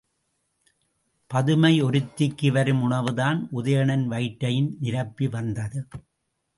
பதுமை ஒருத்திக்கு வரும் உணவுதான் உதயணன் வயிற்றையும் நிரப்பி வந்தது.